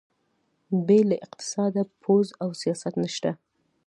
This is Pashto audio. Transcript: بې له اقتصاده پوځ او سیاست نشته.